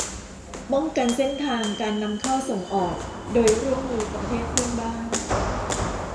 ป้องกันเส้นทางการนำเข้าส่งออกโดยร่วมมือกับประเทศเพื่อนบ้าน